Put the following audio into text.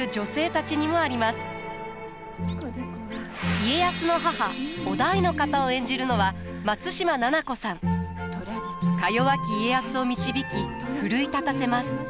家康の母於大の方を演じるのは松嶋菜々子さん。かよわき家康を導き奮い立たせます。